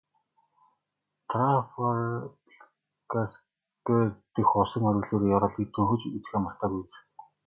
Трафальгарсквер дэх усан оргилуурын ёроолыг төнхөж үзэхээ мартаагүй биз?